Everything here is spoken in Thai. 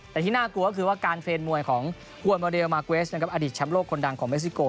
แต่ที่น่ากลัวก็คือว่าการเฟรนด์มวยของอัดิษฐ์แชมป์โลกคนดังของเมซิโก